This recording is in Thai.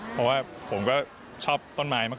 เพราะว่าผมก็ชอบต้นไม้มาก